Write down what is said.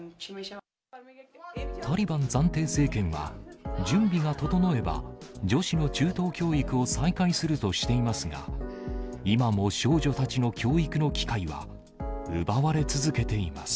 タリバン暫定政権は準備が整えば、女子の中等教育を再開するとしていますが、今も少女たちの教育の機会は奪われ続けています。